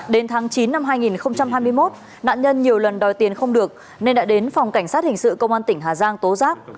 đến tháng chín năm hai nghìn hai mươi một nạn nhân nhiều lần đòi tiền không được nên đã đến phòng cảnh sát hình sự công an tỉnh hà giang tố giác